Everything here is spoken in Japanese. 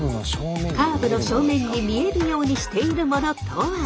カーブの正面に見えるようにしているものとは？